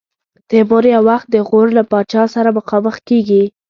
تیمور یو وخت د غور له پاچا سره مخامخ کېږي.